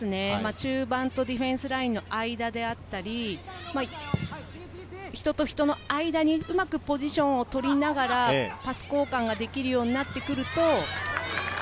中盤とディフェンスラインの間だったり、人と人の間にうまくポジションをとりながら、パス交換ができるようになってくると。